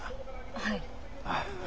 はい。